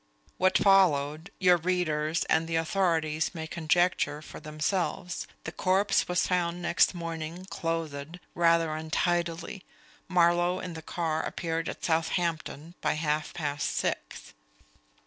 What followed your readers and the authorities may conjecture for themselves. The corpse was found next morning clothed rather untidily. Marlowe in the car appeared at Southampton by half past six.